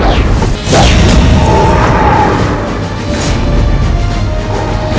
pulang ke rumah titanium